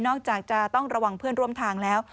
จากจะต้องระวังเพื่อนร่วมทางแล้ว